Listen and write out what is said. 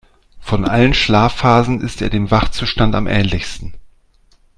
Von allen Schlafphasen ist er dem Wachzustand am ähnlichsten.